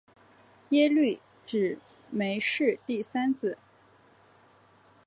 耶律只没是第三子。